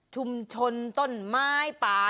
ชุมชนต้นไม้ป่า